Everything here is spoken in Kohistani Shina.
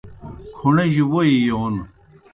کھْوݨِجیْ ووئی یون